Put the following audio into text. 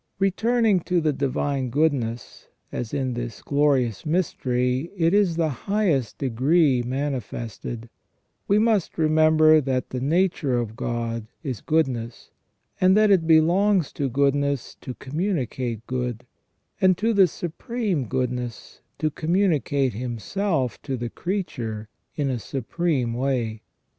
* Returning to the divine goodness, as in this glorious mystery it is in the highest degree manifested, we must remember that the nature of God is goodness, and that it belongs to goodness to communicate good, and to the Supreme Goodness to communi cate Himself to the creature in a supreme way.